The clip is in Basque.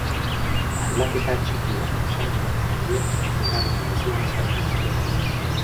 Aldaketa txiki baina esanguratsu horiek bigarren edizioan sartu ziren.